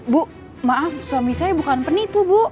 bu maaf suami saya bukan penipu bu